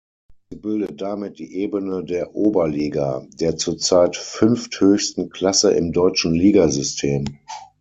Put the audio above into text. Sie bildet damit die Ebene der Oberliga, der zurzeit fünfthöchsten Klasse im deutschen Ligasystem.